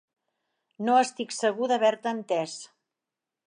No estic segur d"haver-te entès.